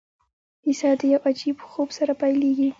کیسه د یو عجیب خوب سره پیلیږي.